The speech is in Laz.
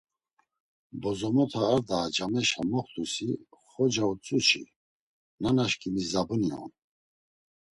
Bozomota ar daa cameşa moxt̆usi xoca utzu çi; Nanaşǩimi zabuni on.